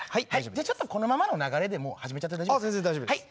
じゃあちょっとこのままの流れでもう始めちゃって大丈夫ですか？